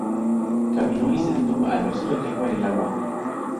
Caminó y se detuvo al ver su reflejo en el agua.